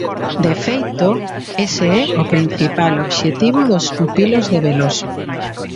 De feito, ese é o principal obxectivo dos pupilos de Veloso.